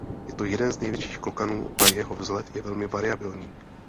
Je to jeden z největších klokanů a jeho vzhled je velmi variabilní.